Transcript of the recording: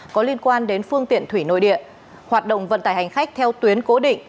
có liên quan đến phương tiện thủy nội địa hoạt động vận tải hành khách theo tuyến cố định